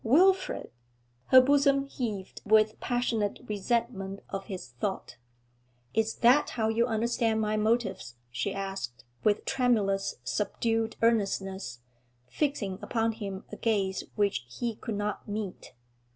'Wilfrid?' Her bosom heaved with passionate resentment of his thought. 'Is that how you understand my motives?' she asked, with tremulous, subdued earnestness, fixing upon him a gaze which he could not meet.